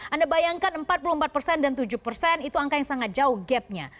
anda bayangkan empat puluh empat persen dan tujuh persen itu angka yang sangat jauh gapnya